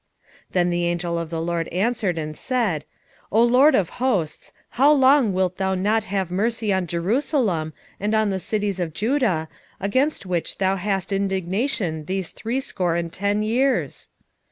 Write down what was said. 1:12 Then the angel of the LORD answered and said, O LORD of hosts, how long wilt thou not have mercy on Jerusalem and on the cities of Judah, against which thou hast had indignation these threescore and ten years?